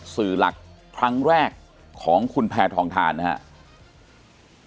สื่อหลักครั้งแรกของคุณแพทองทานนะครับ